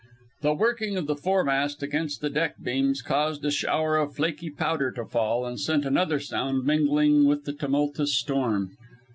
The working of the foremast against the deck beams caused a shower of flaky powder to fall, and sent another sound mingling with the tumultous storm.